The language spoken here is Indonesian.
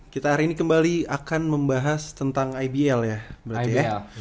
kita hari ini kembali akan membahas tentang ibl ya